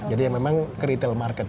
jadi yang memang ke retail market